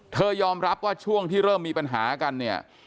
ยอมรับว่าช่วงที่เริ่มมีปัญหากันเนี่ย